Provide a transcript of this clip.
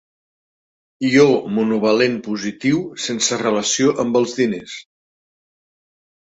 Ió monovalent positiu sense relació amb els diners.